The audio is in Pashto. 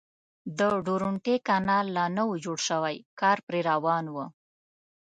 د درونټې کانال لا نه و جوړ شوی کار پرې روان و.